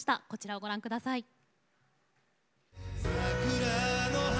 こちらをご覧ください。